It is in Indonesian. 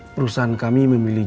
perusahaan kami memilih